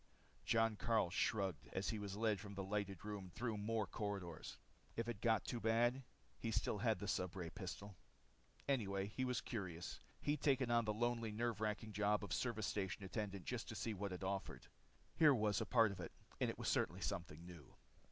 Jon Karyl shrugged as he was led from the lighted room through more corridors. If it got too bad he still had the stubray pistol. Anyway, he was curious. He'd taken on the lonely, nerve wracking job of service station attendant just to see what it offered. Here was a part of it, and it was certainly something new.